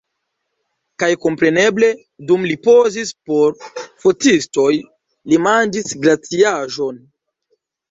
Kaj kompreneble, dum li pozis por fotistoj, li manĝis glaciaĵon!